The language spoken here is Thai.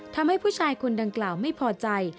ทำให้ผู้ชายคนดังกล่าวไม่พอใจ